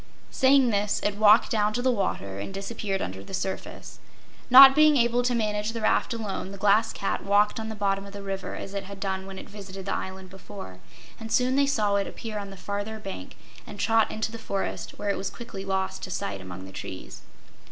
Saying this, it walked down to the water and disappeared under the surface. Not being able to manage the raft alone, the Glass Cat walked on the bottom of the river as it had done when it visited the island before, and soon they saw it appear on the farther bank and trot into the forest, where it was quickly lost to sight among the trees.